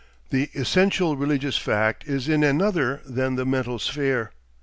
The essential religious fact is in another than the mental sphere.